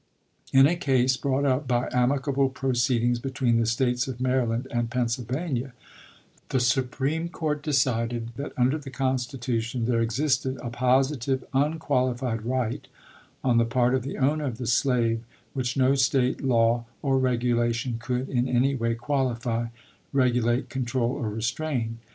In a case brought up by amicable proceedings between the States of Maryland and Pennsylvania, the Supreme Court decided that under the Constitu tion there existed a positive unqualified right, on the part of the owner of the slave, which no State law or regulation could in any way qualify, regu late, control, or restrain.